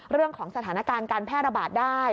เรื่องของสถานการณ์การแพร่ระบาดได้